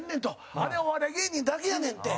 あれはお笑い芸人だけやねんって